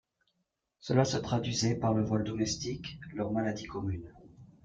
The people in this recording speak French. Cela se traduisait par le vol domestique, leur maladie commune.